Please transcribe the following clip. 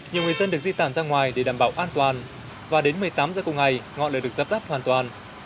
nhiều người dân được di tản ra ngoài để đảm bảo an toàn và đến một mươi tám giờ cùng ngày ngọn lửa được dập tắt hoàn toàn